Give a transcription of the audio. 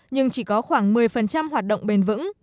nhưng chỉ có khoảng một mươi hoạt động bền vững